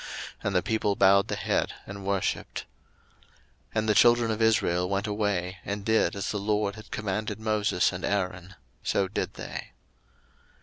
And the people bowed the head and worshipped. 02:012:028 And the children of Israel went away, and did as the LORD had commanded Moses and Aaron, so did they.